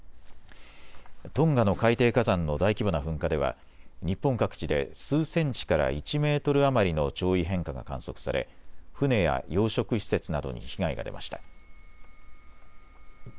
トンガの海底火山の大規模な噴火では日本各地で数センチから１メートル余りの潮位変化が観測され船や養殖施設などに被害が出ました。